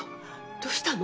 どうしたの？